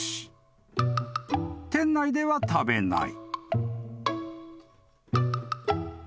［店内では食べない］